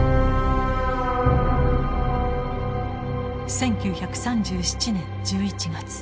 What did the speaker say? １９３７年１１月。